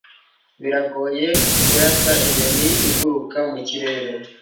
biragoye kurasa inyoni iguruka mu kirere